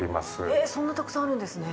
へ、そんなにたくさんあるんですね。